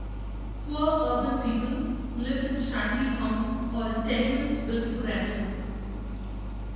Poor urban people lived in shantytowns or in tenements built for rental.